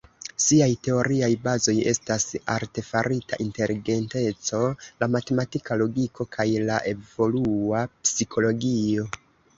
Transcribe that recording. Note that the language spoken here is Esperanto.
Siaj teoriaj bazoj estas la artefarita inteligenteco, la matematika logiko kaj la evolua psikologio.